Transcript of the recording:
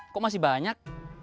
kok masih banyak